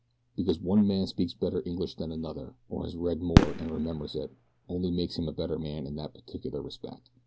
"Because one man speaks better English than another, or has read more and remembers it, only makes him a better man in that particular respect.